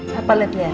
gak usah senyum senyum